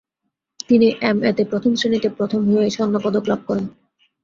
তিনি M. A. তে প্রথম শ্রেনীতে প্রথম হয়ে স্বর্ণপদক লাভ করেন।